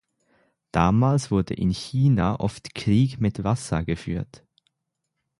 Damals wurde in China oft „Krieg mit Wasser“ geführt.